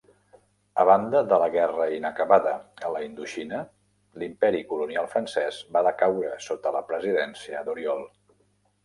A banda de la guerra inacabada a la Indoxina, l'imperi colonial francès va decaure sota la presidència d'Auriol.